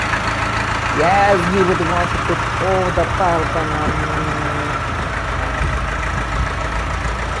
Yes, he would want to put all the burden on me.